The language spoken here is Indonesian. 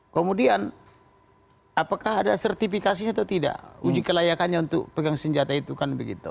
kemudian apakah ada sertifikasi atau tidak uji kelayakannya untuk pegang senjata itu kan begitu